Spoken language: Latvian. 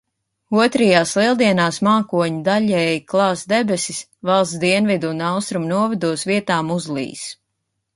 Otrajās Lieldienās mākoņi daļēji klās debesis, valsts dienvidu un austrumu novados vietām uzlīs.